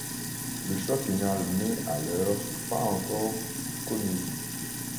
Le choix final n'est à l'heure pas encore connu.